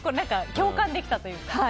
共感できたというか。